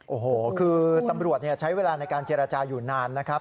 โอ้โหคือตำรวจใช้เวลาในการเจรจาอยู่นานนะครับ